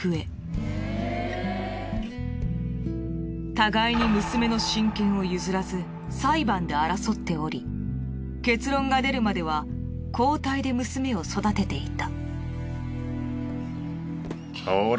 互いに娘の親権を譲らず裁判で争っており結論が出るまでは交代で娘を育てていた。